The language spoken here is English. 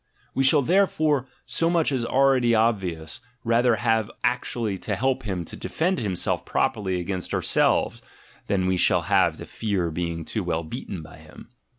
We shall there fore — so much is already obvious — rather have actually to help him to defend himself properly against ourselves, than we shall have to fear being too well beaten by him.